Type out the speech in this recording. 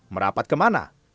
merapat ke mana